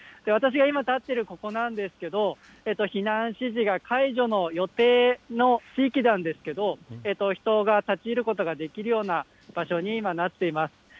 私が今立っているここなんですけど、避難指示が解除の予定の地域なんですけど、人が立ち入ることができるような場所に今なっています。